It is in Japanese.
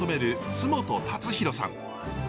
津本達弘さん。